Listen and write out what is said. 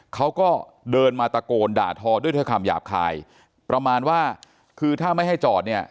เขาก็เดินมาตะโกนด่าทอด้วยคำหยาบคายประมาณว่าคือถ้าไม่ให้จอดเนี่ย